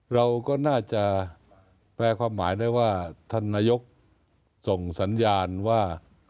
เราก็น่าจะแปลความหมายได้ว่าท่านนายกส่งสัญญาณว่า